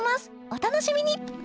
お楽しみに！